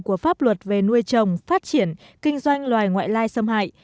của pháp luật về nuôi trồng phát triển kinh doanh loài ngoại lai xâm hại